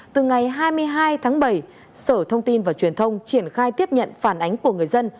từ ngày hai mươi hai tháng bảy sở thông tin và truyền thông triển khai tiếp nhận phản ánh của người dân